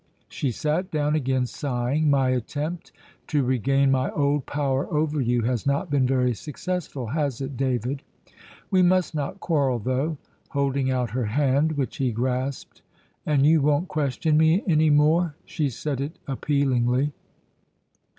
She sat down again, sighing. "My attempt to regain my old power over you has not been very successful, has it, David? We must not quarrel, though" holding out her hand, which he grasped. "And you won't question me any more?" She said it appealingly.